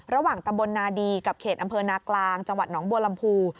ระหว่างตะบนนาดีกับเขตอำเภอนาคลางจังหวัดน้องบวรรมภู